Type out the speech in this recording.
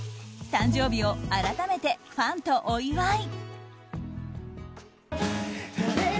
誕生日を、改めてファンとお祝い。